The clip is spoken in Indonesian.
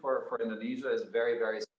untuk indonesia sangat mudah